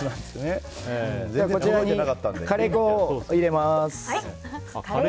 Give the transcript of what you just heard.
こちらにカレー粉を入れます。